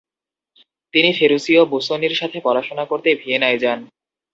তিনি ফেরুসিও বুসোনির সাথে পড়াশোনা করতে ভিয়েনায় যান।